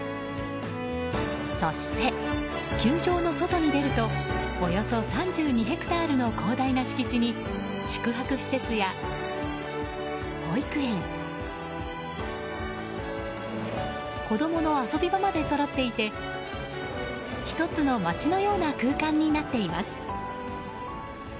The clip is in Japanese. そして球場の外に出るとおよそ３２ヘクタールの広大な敷地に宿泊施設や保育園子供の遊び場までそろっていて１つの街のような空間になっています。